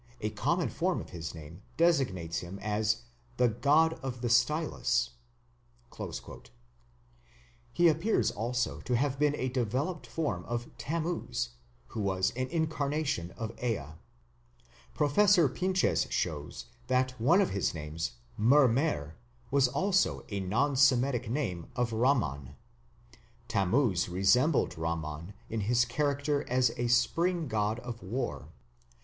A common form of his name designates him as the 'god of the stylus'." He appears also to have been a developed form of Tammuz, who was an incarnation of Ea. Professor Pinches shows that one of his names, Mermer, was also a non Semitic name of Ramman. Tammuz resembled Ramman in his character as a spring god of war.